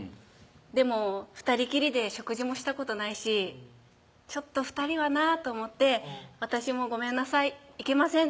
でも２人きりで食事もしたことないしちょっと２人はなぁと思って私も「ごめんなさい行けません」